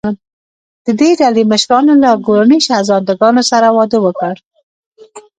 د دې ډلې مشرانو له ګوراني شهزادګانو سره واده وکړ.